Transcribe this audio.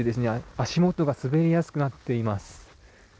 足元が滑りやすくなっています。